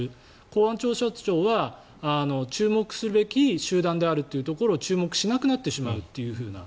公安調査庁は注目すべき集団であるというところを注目しなくなってしまうというふうな。